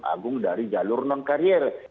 agung dari jalur non karier